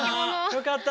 よかった。